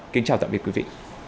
kính chào tạm biệt quý vị